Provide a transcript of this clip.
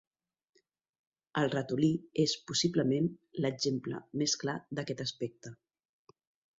El ratolí és possiblement l'exemple més clar d'aquest aspecte.